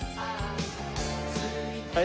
はい。